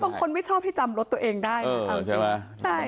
ใช่บางคนไม่ชอบที่จำรถตัวเองได้เออใช่ไหมใช่